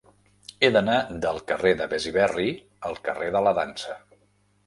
He d'anar del carrer de Besiberri al carrer de la Dansa.